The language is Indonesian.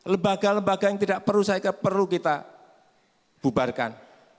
lembaga lembaga yang tidak perlu saya kira perlu kita bubarkan